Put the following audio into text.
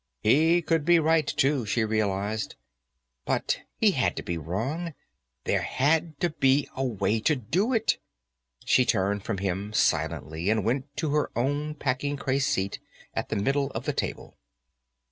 He could be right, too, she realized. But he had to be wrong; there had to be a way to do it. She turned from him silently and went to her own packing case seat, at the middle of the table.